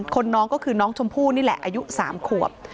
น้องก็คือน้องชมพู่นี่แหละอายุ๓ขวบ